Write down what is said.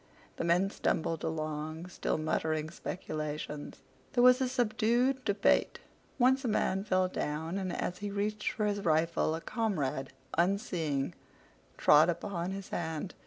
The men stumbled along still muttering speculations. There was a subdued debate. Once a man fell down, and as he reached for his rifle a comrade, unseeing, trod upon his hand.